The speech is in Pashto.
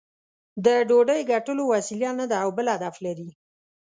د ډوډۍ ګټلو وسیله نه ده او بل هدف لري.